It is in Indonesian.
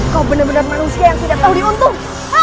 kau benar benar manusia yang sudah tahu diuntung